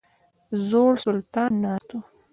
زوړ سلطان ناست وو.